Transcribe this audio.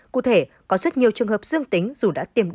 cụ thể có rất nhiều trường hợp dương tính dù đã tiêm đủ hai mũi